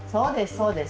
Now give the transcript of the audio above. そうです